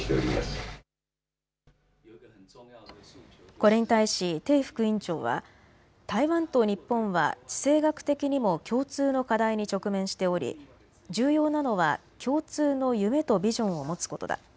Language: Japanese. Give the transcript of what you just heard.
これに対し鄭副院長は台湾と日本は地政学的にも共通の課題に直面しており重要なのは共通の夢とビジョンを持つことだ。